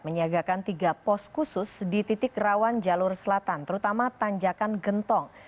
menyiagakan tiga pos khusus di titik rawan jalur selatan terutama tanjakan gentong